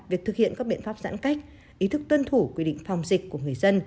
việc thực hiện các biện pháp giãn cách ý thức tuân thủ quy định phòng dịch của người dân